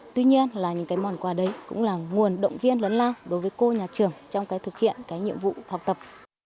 tuy nhiên những món quà đấy cũng là nguồn động viên lớn lao đối với cô nhà trường trong thực hiện nhiệm vụ học tập